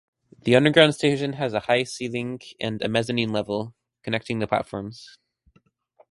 The underground station has a high ceiling and a mezzanine level connecting the platforms.